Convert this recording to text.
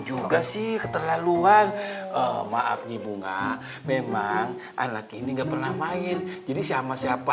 juga sih keterlaluan maafnya bunga memang anak ini nggak pernah main jadi sama siapa